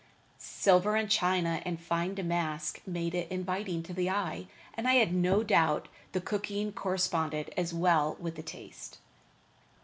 Silver and china and fine damask made it inviting to the eye, and I had no doubt the cooking corresponded as well with the taste.